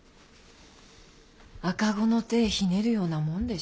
赤子の手ひねるようなもんでしょ？